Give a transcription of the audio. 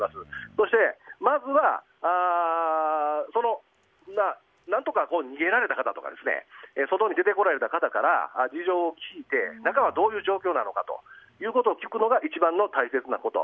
そして、まずは何とか逃げられた方とか外に出てこられた方から事情を聴いて中はどういう状況なのかということを聞くのが一番大切なこと。